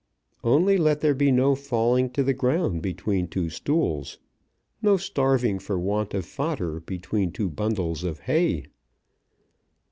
Only let there be no falling to the ground between two stools; no starving for want of fodder between two bundles of hay!